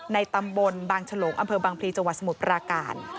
ในตำบลบางฉลงอำเภอบางพลีจังหวัดสมุทรปราการ